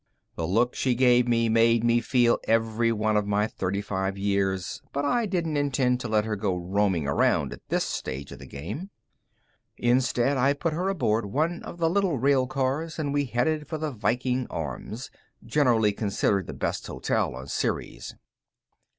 The look she gave me made me feel every one of my thirty five years, but I didn't intend to let her go roaming around at this stage of the game. Instead, I put her aboard one of the little rail cars, and we headed for the Viking Arms, generally considered the best hotel on Ceres.